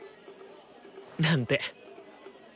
なんて。